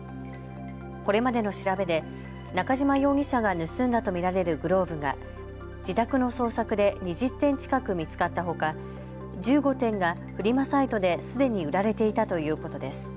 これまでの調べで中島容疑者が盗んだと見られるグローブが自宅の捜索で２０点近く見つかったほか１５点がフリマサイトですでに売られていたということです。